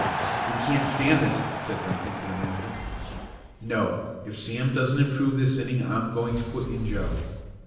"We can't stand this," said Rankin to the manager. "No, if Sam doesn't improve this inning I'm going to put in Joe."